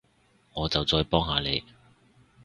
我就再幫下你